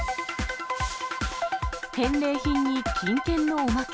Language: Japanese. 返礼品に金券のおまけ。